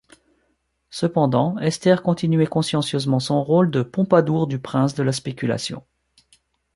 Cependant Esther continuait consciencieusement son rôle de Pompadour du prince de la Spéculation.